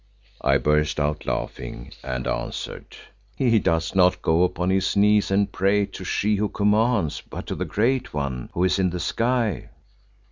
I burst out laughing and answered, "He does not go upon his knees and pray to She who commands, but to the Great One who is in the sky."